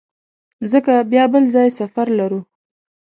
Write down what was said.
ځکه بیا بل ځای سفر لرو.